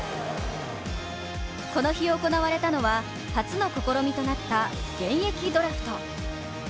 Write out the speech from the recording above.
この日、行われたのは、初の試みとなった現役ドラフト。